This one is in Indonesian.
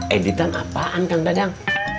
editan apaan kang dadang